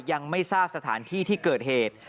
ยังไม่ทราบสถานที่ที่เกิดเหตุ